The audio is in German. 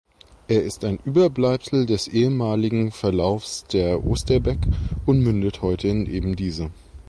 Er ist ein Überbleibsel des ehemaligen Verlaufes der Osterbek und mündet heute in ebendiese.